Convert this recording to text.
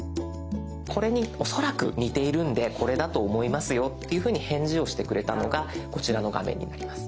これに恐らく似ているんでこれだと思いますよっていうふうに返事をしてくれたのがこちらの画面になります。